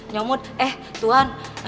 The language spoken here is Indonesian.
nyamud eh tuhan